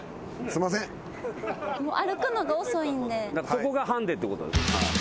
そこがハンデってこと。